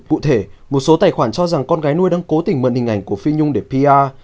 cụ thể một số tài khoản cho rằng con gái nuôi đang cố tình mượn hình ảnh của phi nhung để pia